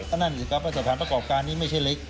อันนั้นสิครับการทรมานประกอบการณ์นี้ไม่ใช่เล็ก